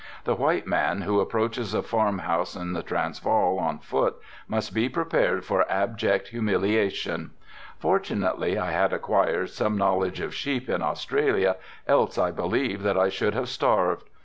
The white man who approaches a farmhouse in the Transval on foot must be prepared for abject humiliation. Fortunately I had acquired some knowledge of sheep in Australia else I believe that I should have starved.